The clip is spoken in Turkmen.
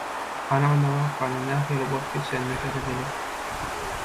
Hany onda wakanyň nähili bolup geçenine seredeliň.